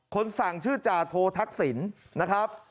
คนสั่งชื่อจาโททักศิลป์นะครับ